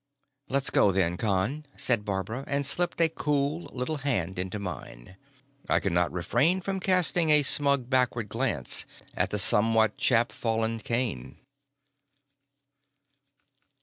"Let's go, then, Con," said Barbara, and slipped a cool little hand into mine. I could not refrain from casting a smug backward glance at the somewhat chapfallen Kane.